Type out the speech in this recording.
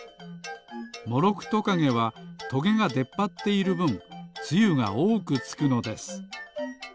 モロクトカゲはトゲがでっぱっているぶんつゆがおおくつくのです。